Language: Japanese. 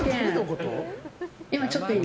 今、ちょっといい？